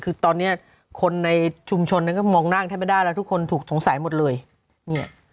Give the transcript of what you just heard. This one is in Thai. คือตอนนี้คนในชุมชนก็มองนั่งแทบไม่ได้แล้วทุกคนถูกสงสัยหมดเลย